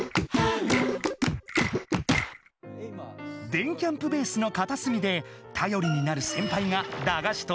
電キャんぷベースのかたすみでたよりになるセンパイがだがしと